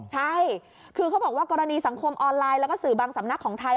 ใช่คือเขาบอกว่ากรณีสังคมออนไลน์แล้วก็สื่อบางสำนักของไทย